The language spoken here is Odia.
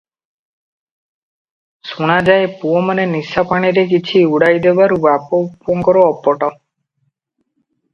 ଶୁଣାଯାଏ, ପୁଅମାନେ ନିଶାପାଣିରେ କିଛି ଉଡ଼ାଇ ଦେବାରୁ ବାପ ପୁଅଙ୍କର ଅପଡ଼ ।